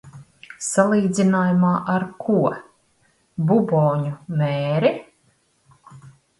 Salīdzinājumā ar ko? Buboņu mēri?